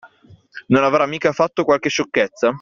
Non avrà mica fatto qualche sciocchezza?